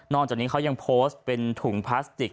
จากนี้เขายังโพสต์เป็นถุงพลาสติก